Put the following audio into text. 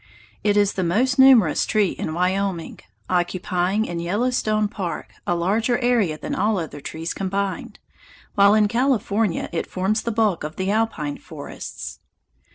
It is the most numerous tree in Wyoming, occupying in Yellowstone Park a larger area than all other trees combined, while in California it forms the bulk of the alpine forests.